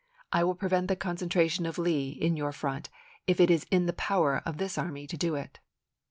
I will prevent the concentration of Lee in your ibid., P. 29. front if it is in the power of this army to do it."